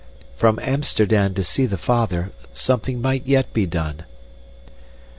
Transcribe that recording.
} from Amsterdam to see the father, something might yet be done."